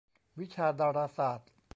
วิชาดาราศาสตร์